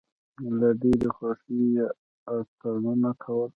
له ډېرې خوښۍ یې اتڼونه کول.